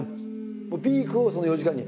ピークをその４時間に。